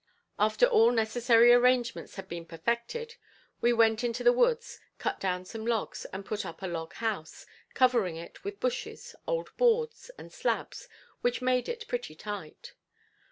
After all necessary arrangements had been perfected, we went into the woods, cut down some logs and put up a log house, covering it with bushes, old boards and slabs which made it pretty tight.